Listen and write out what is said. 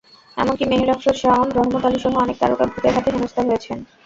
এমনকি মেহের আফরোজ শাওন, রহমত আলীসহ অনেক তারকা ভূতের হাতে হেনস্তা হয়েছেন।